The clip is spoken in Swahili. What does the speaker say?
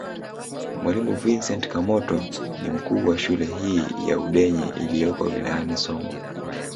Mwalimu Vincent Kamoto ni mkuu wa shule hii ya Udenye iliyoko wilayani Songwe